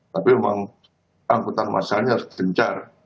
tapi memang angkutan massanya harus gencar